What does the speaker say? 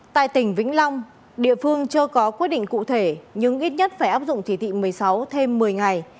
tại tỉnh vĩnh long địa phương chưa có quyết định cụ thể nhưng ít nhất phải áp dụng chỉ thị một mươi sáu thêm một mươi ngày